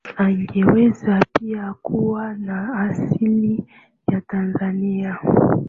angeweza pia kuwa na asili ya Tanzania